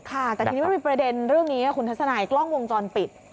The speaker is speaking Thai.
ค่ะแต่ทีนี้มันมีประเด็นเรื่องนี้คุณทัศนายกล้องวงจรปิด